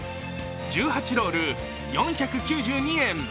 １８ロール４９２円。